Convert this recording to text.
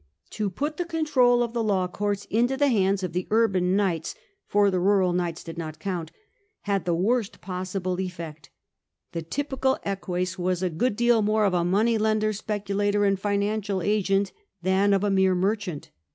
To put the control of the law courts into the hands of the urban knights (for the rural knights did not count) had the worst possible effect The typical eqaes was a good deal more of a money lender, speculator, and financial agent than of a mere merchant.